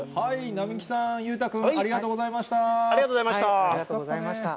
並木さん、裕太君、ありがとありがとうございました。